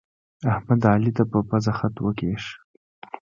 احمد، علي ته په پزه خط وکيښ.